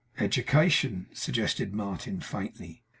'Education?' suggested Martin, faintly.